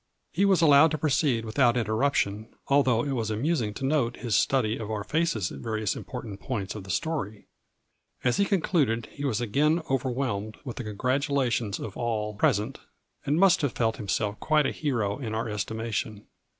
He was allowed to proceed without in terruption, although it was amusing to note his study of our faces at various important points of the story. As he concluded he was again overwhelmed with the congratulations of all present, and must have felt himself quite a hero in our estimation.